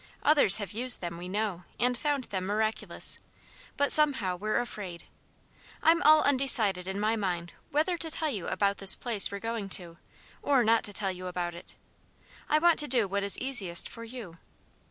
Others have used them, we know, and found them miraculous. But somehow, we're afraid. I'm all undecided in my mind whether to tell you about this place we're going to, or not to tell you about it. I want to do what is easiest for you.